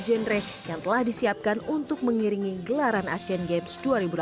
genre yang telah disiapkan untuk mengiringi gelaran asean games dua ribu delapan belas